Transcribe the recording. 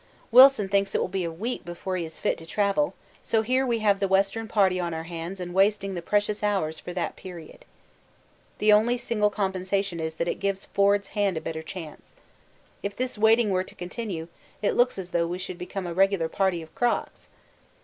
Wilson thinks it will be a week before he is fit to travel, so here we have the Western Party on our hands and wasting the precious hours for that period. The only single compensation is that it gives Forde's hand a better chance. If this waiting were to continue it looks as though we should become a regular party of 'crocks.'